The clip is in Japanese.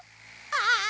ああ！